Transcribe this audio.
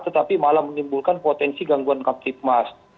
tetapi malah menimbulkan potensi gangguan kamtipmas